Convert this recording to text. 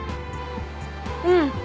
うん。